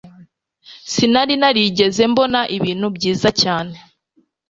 Sinari narigeze mbona ibintu byiza cyane.